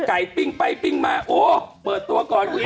ไก่บิ้งไปบิ้งมาโอ้โฮ